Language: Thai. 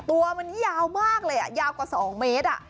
ตัวมันยาวมากเลยยาวกว่า๒เมตร